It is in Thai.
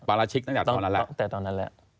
ปราชิกตั้งแต่ตอนนั้นแหละ